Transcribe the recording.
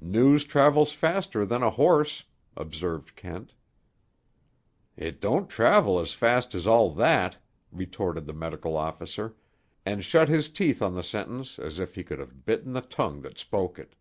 "News travels faster than a horse," observed Kent. "It don't travel as fast as all that," retorted the medical officer, and shut his teeth on the sentence as if he could have bitten the tongue that spoke it.